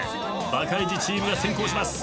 バカイジチームが先行します。